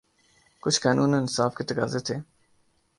کچھ قانون اور انصاف کے تقاضے تھے۔